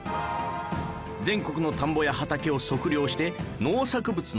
全国の田んぼや畑を測量して農作物の生産高を把握